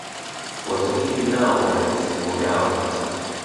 Waswahili nao wana misemo yao hasa